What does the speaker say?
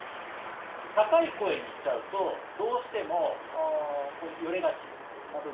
高い声にしちゃうとどうしてもよれがちな部分がある。